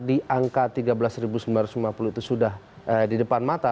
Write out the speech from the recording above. di angka tiga belas sembilan ratus lima puluh itu sudah di depan mata